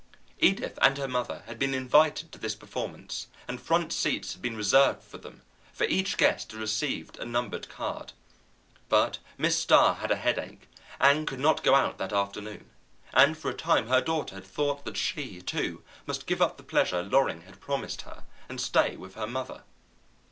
Edith and her mother had been invited to this performance, and front seats had been reserved for them, for each guest had received a numbered card. But Mrs. Starr had a headache, and could not go out that afternoon, and for a time her daughter had thought that she, too, must give up the pleasure Loring had promised her, and stay with her mother.